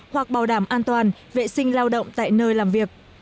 hoặc bảo đảm an toàn vệ sinh lao động tại nơi làm việc